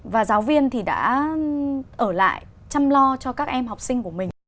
và giáo viên thì đã ở lại chăm lo cho các em học sinh của mình